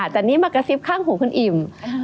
แต่นี่มากระซิบข้างหูคุณอิ่ม